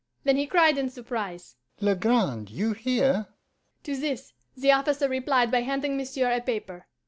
Then he cried in surprise, 'Legrand, you here!' To this the officer replied by handing monsieur a paper.